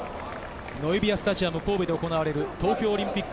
ノエビアスタジアム神戸で行われる東京オリンピック